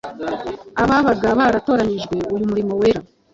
Ababaga baratoranyirijwe uyu murimo wera,